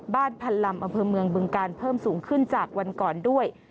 พันลำอำเภอเมืองบึงการเพิ่มสูงขึ้นจากวันก่อนด้วย